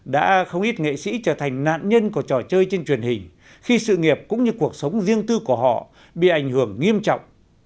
đã không ít nghệ sĩ trở thành nạn nhân của trò chơi trên truyền hình khi sự nghiệp cũng như cuộc sống riêng tư của họ bị ảnh hưởng nghiêm trọng